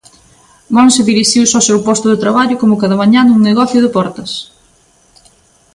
Montse dirixiuse ao seu posto de traballo como cada mañá nun negocio de Portas.